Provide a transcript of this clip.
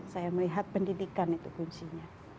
saya melihat pendidikan itu kuncinya